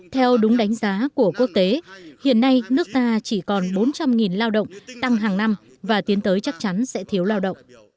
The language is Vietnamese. theo đúng đánh giá của quốc tế hiện nay nước ta chỉ còn bốn trăm linh lao động tăng hàng năm và tiến tới chắc chắn sẽ thiếu lao động